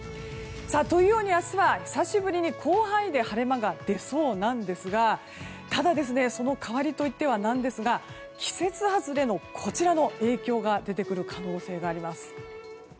というように明日は久しぶりに広範囲で晴れ間が出そうなんですがただ、その代わりといっては何ですが季節外れのこちらの影響が出てくる可能性があります。